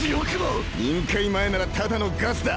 臨界前ならただのガスだ。